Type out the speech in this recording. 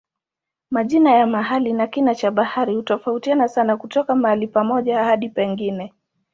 Majina ya mahali na kina cha habari hutofautiana sana kutoka mahali pamoja hadi pengine.